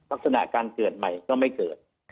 ลักษณะการเกิดใหม่ก็ไม่เกิด